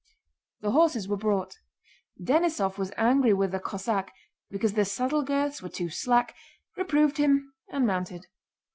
The horses were brought. Denísov was angry with the Cossack because the saddle girths were too slack, reproved him, and mounted.